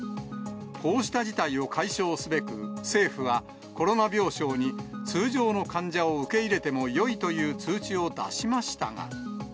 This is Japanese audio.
こうした事態を解消すべく、政府は、コロナ病床に通常の患者を受け入れてもよいという通知を出しましたが。